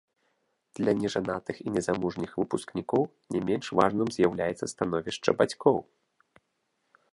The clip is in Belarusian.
Для нежанатых і незамужніх выпускнікоў не менш важным з'яўляецца становішча бацькоў.